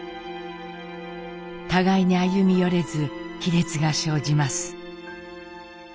互いに歩み寄れず亀裂が生じます。